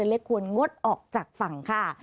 เล็กควรงดออกจากฝั่งค่ะ